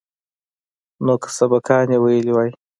نو که سبقان يې ويلي واى.